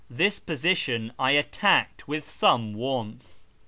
This position I attacked with some warmth.